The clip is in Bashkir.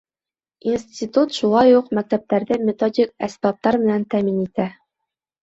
Институт шулай уҡ мәктәптәрҙе методик әсбаптар менән тәьмин итә.